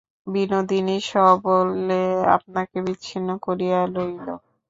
বিনোদিনী সবলে আপনাকে বিচ্ছিন্ন করিয়া লইল।